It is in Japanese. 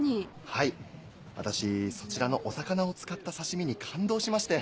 はい私そちらのお魚を使った刺し身に感動しまして。